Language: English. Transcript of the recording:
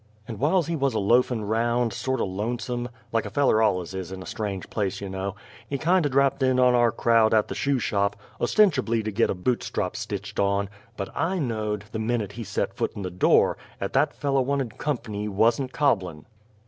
And whilse he wuz a loafin' round, sorto' lonesome like a feller allus is in a strange place, you know he kindo' drapped in on our crowd at the Shoe Shop, ostenchably to git a boot strop stitched on, but I knowed, the minute he set foot in the door, 'at that feller wanted comp'ny wuss'n cobblin'.